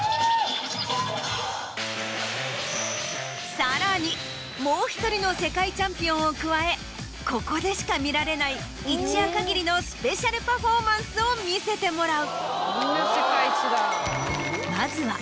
さらにもう１人の世界チャンピオンを加えここでしか見られない一夜限りのスペシャルパフォーマンスを見せてもらう。